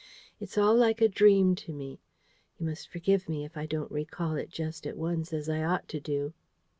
It's all like a dream to me. You must forgive me if I don't recall it just at once as I ought to do."